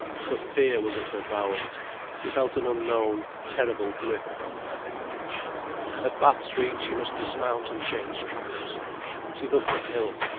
But fear was at her bowels, she felt an unknown, terrible grip upon her. At Bath Street she must dismount and change trams. She looked uphill.